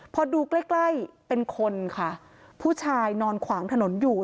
พอดูใกล้ใกล้เป็นคนค่ะผู้ชายนอนขวางถนนอยู่